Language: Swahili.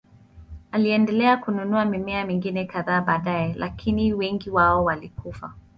Aliendelea kununua mimea mingine kadhaa baadaye, lakini wengi wao walikufa.